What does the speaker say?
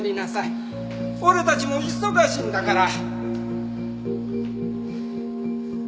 俺たちも忙しいんだから！